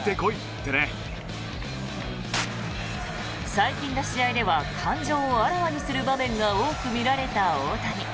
最近の試合では感情をあらわにする場面が多く見られた大谷。